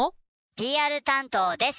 ＰＲ担当です。